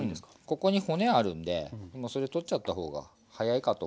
ここに骨あるんでそれ取っちゃった方が早いかと思います。